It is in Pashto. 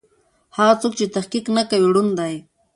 هغه څوک چې تحقيق نه کوي ړوند دی.